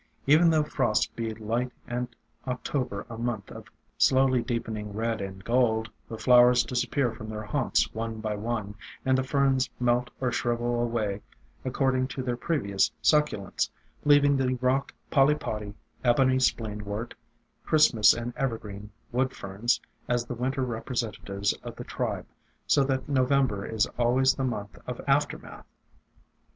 Even though frosts be light and October a month of slowly deepening red and gold, the flowers disappear from their haunts one by one, and the Ferns melt or shrivel away according to their previous succulence, leaving the rock Poly pody, Ebony Spleenwort, Christmas and Evergreen Wood Ferns as the Winter representatives of the tribe, so that November is always the month of aftermath.